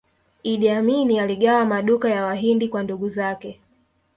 iddi amini aligawa maduka ya wahindi kwa ndugu zake